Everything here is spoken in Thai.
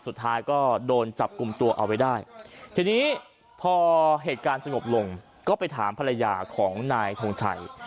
สุดท้ายก็โดนจับกลุ่มตัวเอาไว้ได้ทีนี้พอเหตุการณ์สงบลงก็ไปถามภรรยาของนายทงชัย